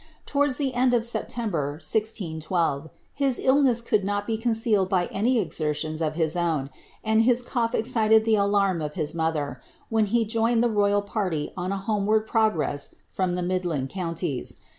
Towards the end of September, 1612, his illness could not be concealed by any exertions of his own, and his cough excited the alarm of his mother, when he joined the royal party on a homeward progress from the midland conn* ties.